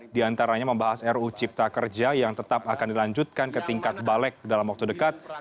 di antaranya membahas ruu cipta kerja yang tetap akan dilanjutkan ke tingkat balik dalam waktu dekat